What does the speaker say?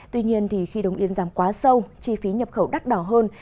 tuy nhiên khi đồng yên giảm quá sâu chi phí nhập khẩu đắt đỏ hơn